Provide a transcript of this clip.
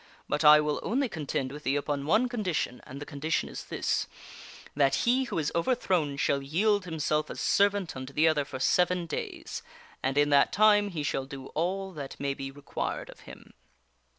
But I will only contend with thee upon one condition, and the condition is this that he who is overthrown shall yield himself as servant unto the other for seven days, and in that time he shall do all that may be required of him."